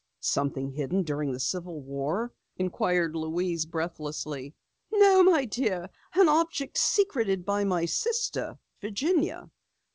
"Something hidden during the Civil War?" inquired Louise breathlessly. "No, my dear, an object secreted by my sister, Virginia.